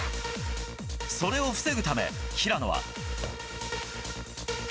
それを防ぐため、平野は。